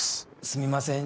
すみません。